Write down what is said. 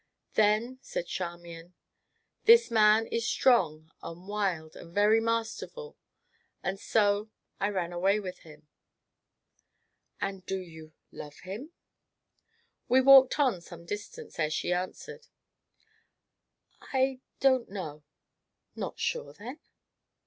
"Then," said Charmian, "this man is strong and wild and very masterful, and so I ran away with him." "And do you love him?" We walked on some distance ere she answered: "I don't know." "Not sure, then?"